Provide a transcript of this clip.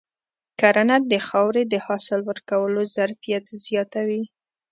کرنه د خاورې د حاصل ورکولو ظرفیت زیاتوي.